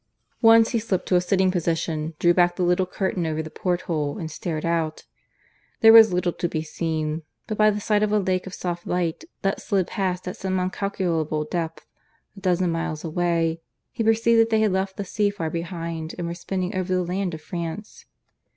Once he slipped to a sitting position, drew back the little curtain over the porthole, and stared out. There was little to be seen; but by the sight of a lake of soft light that slid past at some incalculable depth a dozen miles away, he perceived that they had left the sea far behind and were spinning over the land of France.